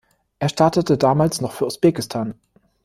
Er startete damals noch für Usbekistan.